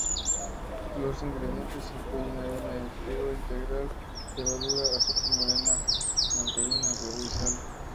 Los ingredientes incluyen harina de trigo integral, levadura, azúcar morena, margarina, huevo y sal.